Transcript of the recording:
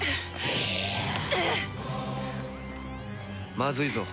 まずいぞ。